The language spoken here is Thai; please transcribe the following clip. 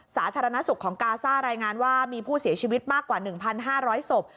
สาธารณสุขของกาซ่ารายงานว่ามีผู้เสียชีวิตมากกว่า๑๕๐๐ศพ